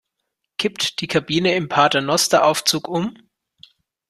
Kippt die Kabine im Paternosteraufzug um?